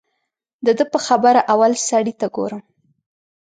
د ده په خبره اول سړي ته ګورم.